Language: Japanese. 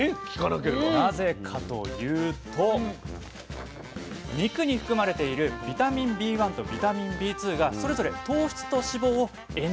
なぜかというと肉に含まれているビタミンＢ１とビタミンＢ２がそれぞれ糖質と脂肪をエネルギーに変えてくれるんです。